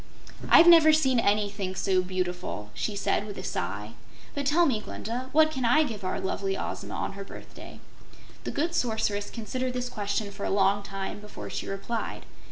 "I've never seen ANYthing so beautiful!" she said, with a sigh. "But tell me, Glinda, what can I give our lovely Ozma on her birthday?" The good Sorceress considered this question for a long time before she replied.